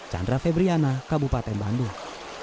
chandra febriana kabupaten bandung